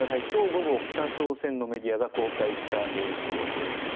今日午後、北朝鮮のメディアが公開した映像です。